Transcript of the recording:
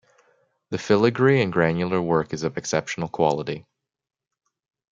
The filigree and granular work is of exceptional quality.